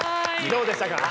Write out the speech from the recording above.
どうでしたか？